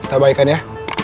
kita baikan ya